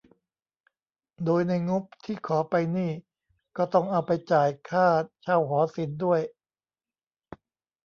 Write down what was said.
โดยในงบที่ขอไปนี่ก็ต้องเอาไปจ่ายค่าเช่าหอศิลป์ด้วย